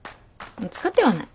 使ってはない。